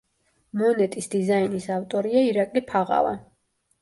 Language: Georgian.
მონეტის დიზაინის ავტორია ირაკლი ფაღავა.